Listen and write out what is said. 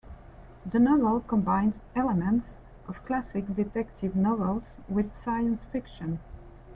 The novel combines elements of classic detective novels with science fiction.